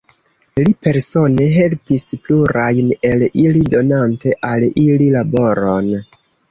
Li persone helpis plurajn el ili, donante al ili laboron.